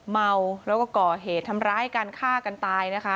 เมาแล้วก็ก่อเหตุทำร้ายการฆ่ากันตายนะคะ